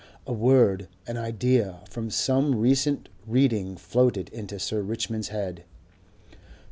A word, an idea, from some recent reading floated into Sir Richmond's head.